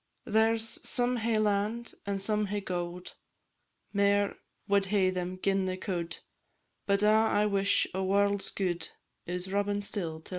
There 's some hae land, and some hae gowd, Mair wad hae them gin they could, But a' I wish o' warld's guid, Is Robin still to lo'e me.